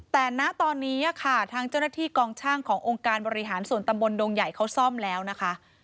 แต่ณตอนนี้ค่ะทางเจ้าหน้าที่กองช่างขององค์การบริหารส่วนตำบลดงใหญ่เขาซ่อมแล้วนะคะ